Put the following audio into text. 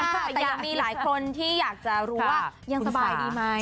แต่ยังมีหลายคนที่อยากจะรู้ว่ายังสบายดีไหม